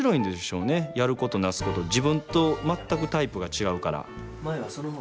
やることなすこと自分と全くタイプが違うから。